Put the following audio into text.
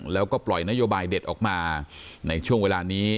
แล้วก็ปล่อยนโยบายเด็ดออกมาในช่วงเวลานี้